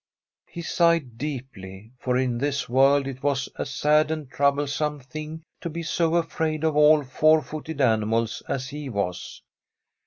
He sighed deeply, for in this world it was a sad and troublesome thing to be so afraid of all four footed animals as he was.